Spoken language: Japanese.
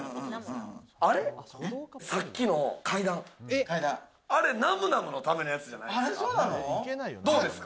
さっきの階段、あれ、ナムナムのためのやつじゃない？